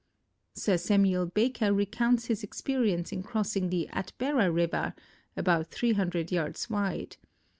Sir Samuel Baker recounts his experience in crossing the Atbara river (about three hundred yards wide.)